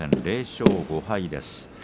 ０勝５敗です。